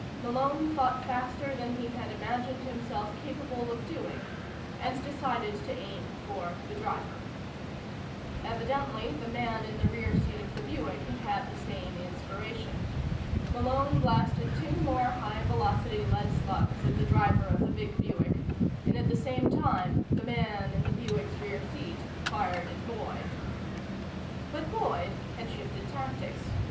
Malone thought faster than he had imagined himself capable of doing, and decided to aim for the driver. Evidently the man in the rear seat of the Buick had had the same inspiration. Malone blasted two more high velocity lead slugs at the driver of the big Buick, and at the same time the man in the Buick's rear seat fired at Boyd. But Boyd had shifted tactics.